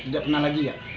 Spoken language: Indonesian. tidak pernah lagi ya